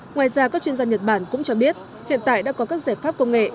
ngoài ra các chuyên gia nhật bản cũng cho biết hiện tại đã có các giải pháp công nghệ